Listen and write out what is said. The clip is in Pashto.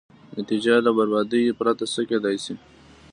نتېجه یې له بربادیو پرته څه کېدای شي.